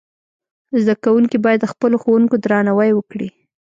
زدهکوونکي باید د خپلو ښوونکو درناوی وکړي.